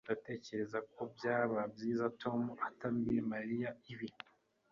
Ndatekereza ko byaba byiza Tom atabwiye Mariya ibi.